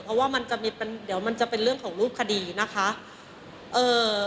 เพราะว่ามันจะมีเป็นเดี๋ยวมันจะเป็นเรื่องของรูปคดีนะคะเอ่อ